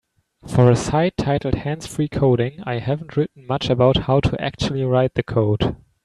For a site titled Hands-Free Coding, I haven't written much about How To Actually Write The Code.